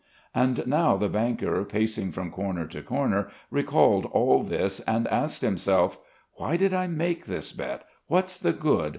And now the banker pacing from corner to corner, recalled all this and asked himself: "Why did I make this bet? What's the good?